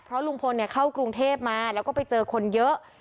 เพราะลุงพลเข้ากรุงเทพมาแล้วก็ไปเจอคนเยอะ